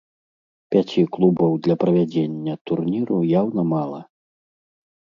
Пяці клубаў для правядзення турніру яўна мала.